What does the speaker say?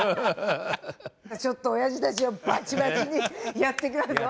ちょっとおやじたちをバッチバチにやっていきますよ。